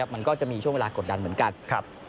มันก็จะมีช่วงเวลากดดันเหมือนกัน